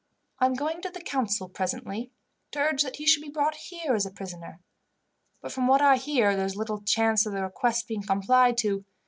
I am going to the council, presently, to urge that he should be brought here as a prisoner; but from what I hear there is little chance of the request being complied with.